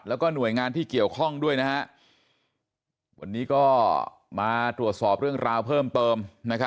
แล้วก็หน่วยงานที่เกี่ยวข้องด้วยนะฮะวันนี้ก็มาตรวจสอบเรื่องราวเพิ่มเติม